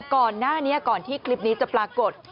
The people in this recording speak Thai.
ก่อนหน้านี้ก่อนที่คลิปนี้จะปรากฏ